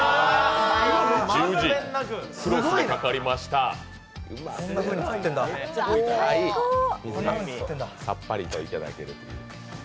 十字、クロスがかかりましたさっぱりといただける。